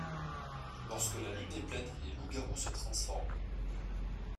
Lorsque la lune est pleine, les loups garous se transforment.